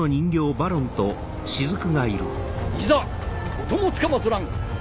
いざお供つかまつらん。